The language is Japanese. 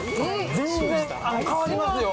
全然変わりますよ。